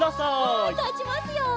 はいたちますよ！